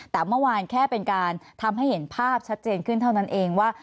แต่เมื่อวานแค่เป็นการทำให้เห็นภาพชัดเจนขึ้นเท่านั้นเองว่า